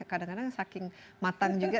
apalagi sudah matang juga